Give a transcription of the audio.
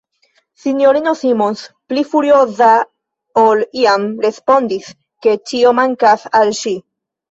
S-ino Simons, pli furioza ol iam, respondis, ke ĉio mankas al ŝi.